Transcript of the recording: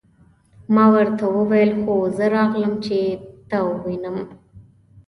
ما ورته وویل: هو زه راغلم، چې ته ووینم.